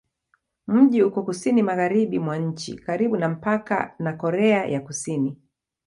Mji uko kusini-magharibi mwa nchi, karibu na mpaka na Korea ya Kusini.